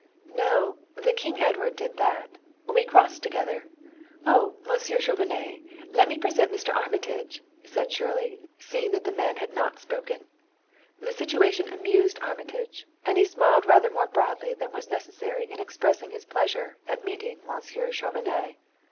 "No; the King Edward did that. We crossed together. Oh, Monsieur Chauvenet, let me present Mr. Armitage," said Shirley, seeing that the men had not spoken. The situation amused Armitage and he smiled rather more broadly than was necessary in expressing his pleasure at meeting Monsieur Chauvenet.